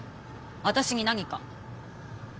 私に何か？